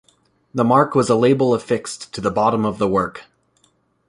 The mark was a label affixed to the bottom of the work.